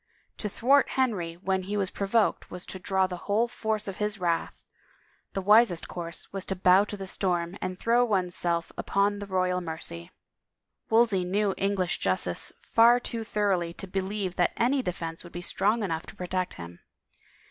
To thwart Henry when he was provoked was to draw the whole force of his wrath; the wisest course was to bow to the storm and throw one's self upon the royal mercy. Wolsey knew English justice far too thoroughly to be lieve that any defense would be strong enough to protect him.